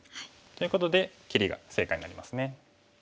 ということで切りが正解になりますね。